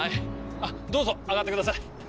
どうぞ上がってください。